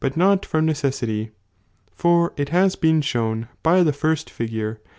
y^^^ ^^ J not from necessity, for it has been shown by the first figure